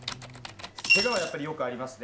けがはやっぱり、よくありますね。